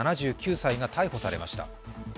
７９歳が逮捕されました。